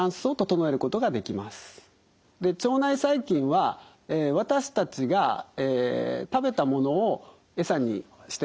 で腸内細菌は私たちが食べたものをエサにしております。